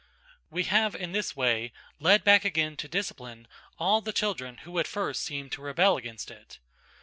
We have in this way led back again to discipline all the children who at first seemed to rebel against it.